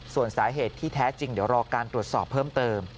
ส่วนสาเหตุที่แท้จริงเดี๋ยวรอการตรวจสอบเพิ่มเติม